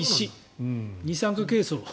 二酸化ケイ素。